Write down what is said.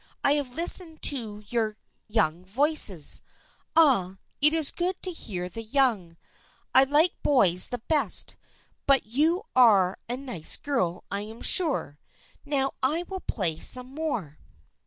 I have listened to your young voices. Ah, it is good to hear the young. I like boys the best, but you are a nice girl I am sure. Now, I will play some more."